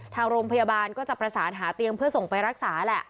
ทางโรงพยาบาลก็จะประสานหาเตียงเพื่อส่งไปรักษาแหละ